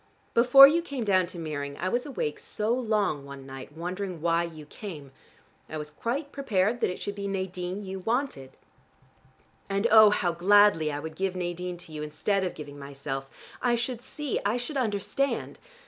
Before you came down to Meering I was awake so long one night, wondering why you came. I was quite prepared that it should be Nadine you wanted. And, oh, how gladly I would give Nadine to you, instead of giving myself: I should see: I should understand.